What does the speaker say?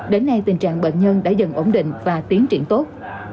đến nay tình trạng bệnh nhân đã dần ổn định và tiến triển tốt